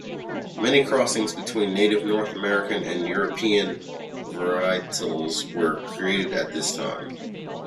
Many crossings between native North American and European varietals were created at this time.